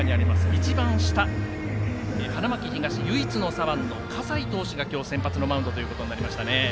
一番下、花巻東唯一の左腕の葛西投手が今日先発のマウンドということになりました。